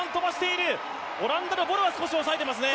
オランダのボルは少し抑えていますね。